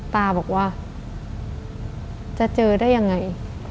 ตาบอกว่าจะเจอได้ยังไง